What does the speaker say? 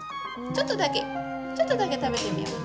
ちょっとだけちょっとだけ食べてみよう。